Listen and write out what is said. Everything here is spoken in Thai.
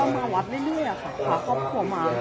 หนูก็อ่ะว่ามาวัดได้ด้วยอะค่ะพาครอบครัวมา